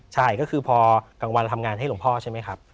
ใช่ก็คือพอกลางวันเราทำงานให้หลวงพ่อใช่ไหมครับ